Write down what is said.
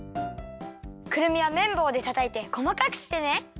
くるみはめんぼうでたたいてこまかくしてね。